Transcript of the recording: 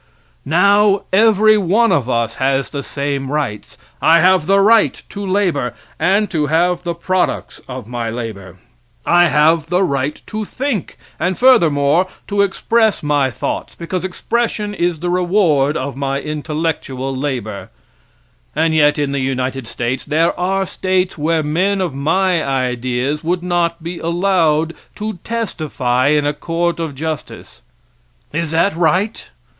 Now every one of us has the same rights. I have the right to labor and to have the products of my labor. I have the right to think, and furthermore, to express my thoughts, because expression is the reward of my intellectual labor. And yet in the United States there are states where men of my ideas would not be allowed to testify in a court of justice. Is that right?